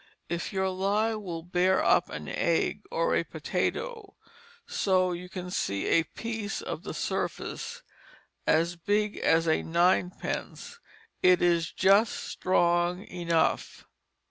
If your Lye will bear up an Egg or a Potato so you can see a piece of the Surface as big as a Ninepence it is just strong enough."